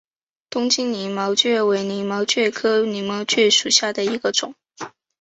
东京鳞毛蕨为鳞毛蕨科鳞毛蕨属下的一个种。